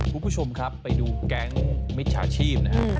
คุณผู้ชมครับไปดูแก๊งมิจฉาชีพนะครับ